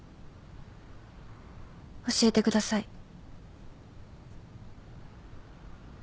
教えてください。